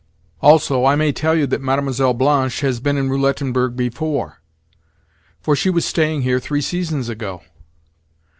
"Also I may tell you that Mlle. Blanche has been in Roulettenberg before, for she was staying here three seasons ago.